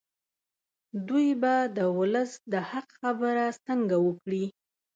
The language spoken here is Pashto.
دوی به د ولس د حق خبره څنګه وکړي.